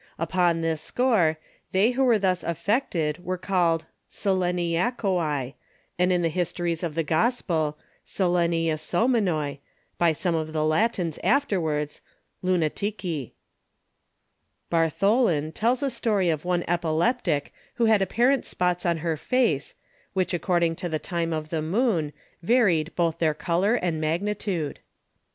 Upon this score, They who were thus affected were called Σεληνιακοὶ and in the Historys of the Gospel Σεληνιαζόμενοι by some of the Latins afterwards, Lunatici. Bartholin tells a Story of one Epileptic who had apparent Spots in her Face, which according to the Time of the Moon, varyed both their Colour and Magnitude.